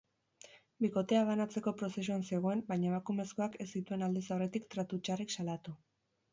Bikotea banatzeko prozesuan zegoen baina emakumezkoak ez zituen aldez aurretik tratu txarrik salatu.